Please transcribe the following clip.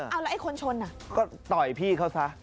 เอาแล้วไอ้คนชนอ่ะก็ต่อยพี่เขาซะ